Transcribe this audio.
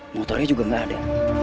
motornya juga gak ada